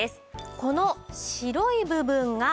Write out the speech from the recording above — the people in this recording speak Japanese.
この白い部分がゴム。